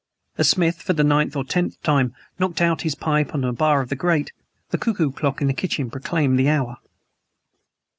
As Smith, for the ninth or tenth time, knocked out his pipe on a bar of the grate, the cuckoo clock in the kitchen proclaimed the hour.